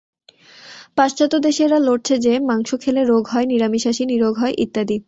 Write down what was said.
পাশ্চাত্যদেশে এরা লড়ছে যে, মাংস খেলে রোগ হয়, নিরামিষাশী নিরোগ হয় ইত্যাদি।